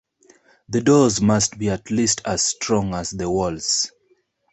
The doors must be at least as strong as the walls.